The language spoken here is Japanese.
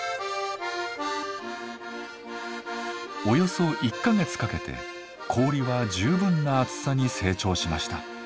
およそ１か月かけて氷は十分な厚さに成長しました。